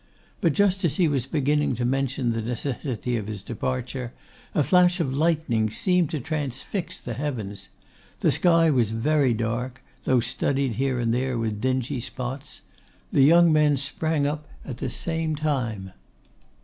But just as he was beginning to mention the necessity of his departure, a flash of lightning seemed to transfix the heavens. The sky was very dark; though studded here and there with dingy spots. The young men sprang up at the same time.